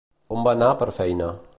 On va anar per feina?